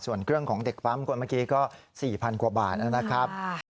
ส่วนเครื่องของเด็กปั๊มคนเมื่อกี้ก็๔๐๐กว่าบาทนะครับ